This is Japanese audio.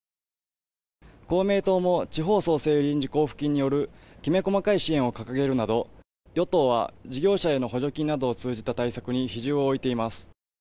公明党も地方創生臨時交付金によるきめ細かい支援を掲げるなど与党は事業者への補助金などを通じた対策に比重を置いています。